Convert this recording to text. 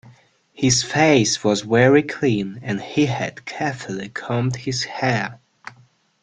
His face was very clean, and he had carefully combed his hair